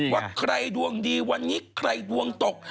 ว่าใครดวงดีวันนี้ใครดวงตก